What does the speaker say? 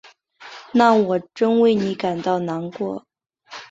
那我真为你感到难过。